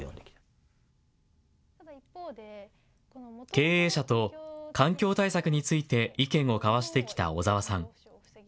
経営者と環境対策について意見を交わしてきた小澤さん。